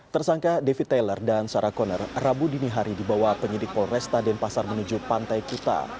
tersangka david taylor dan sarah conner rabu dini hari dibawa penyidik polresta denpasar menuju pantai kuta